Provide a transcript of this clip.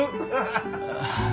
ハハハハ！